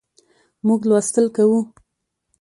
موږ لوستل کوو